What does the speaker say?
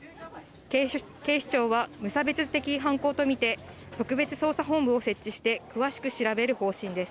警視庁は無差別的犯行と見て、特別捜査本部を設置して、詳しく調べる方針です。